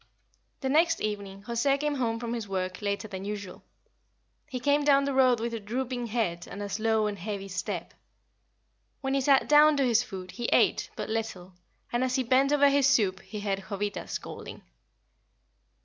The next evening José came home from his work later than usual. He came down the road with a drooping head and a slow and heavy step. When he sat down to his food he ate but little, and as he bent over his soup he heard Jovita scolding.